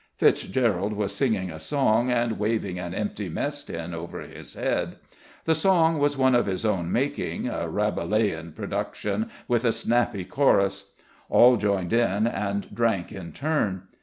Fitzgerald was singing a song and waving an empty mess tin over his head. The song was one of his own making, a Rabelaisian production with a snappy chorus. All joined in and drank in turn.